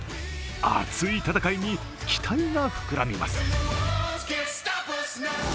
熱い戦いに期待が膨らみます。